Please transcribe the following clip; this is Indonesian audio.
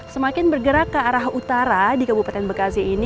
semakin bergerak ke arah utara di kabupaten bekasi ini